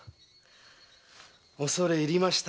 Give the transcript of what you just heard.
恐れ入りました。